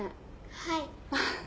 はい。